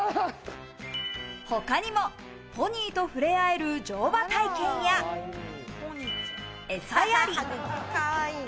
他にもポニーと触れ合える乗馬体験や、エサやり。